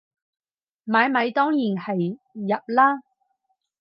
買米當然係入喇